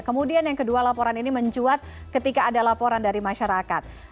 kemudian yang kedua laporan ini mencuat ketika ada laporan dari masyarakat